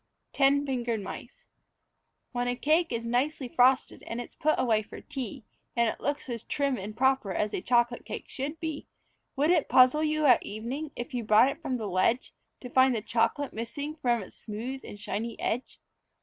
TEN FINGERED MICE When a cake is nicely frosted and it's put away for tea, And it looks as trim and proper as a chocolate cake should be, Would it puzzle you at evening as you brought it from the ledge To find the chocolate missing from its smooth and shiny edge?